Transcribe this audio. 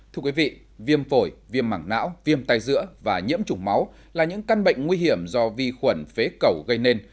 thưa quý vị viêm phổi viêm mảng não viêm tai dữa và nhiễm chủng máu là những căn bệnh nguy hiểm do vi khuẩn phế cầu gây nên